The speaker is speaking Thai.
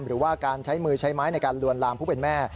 หรือว่าการใช้มือใช้ไม้ในการลวนลามผู้เป็นแม่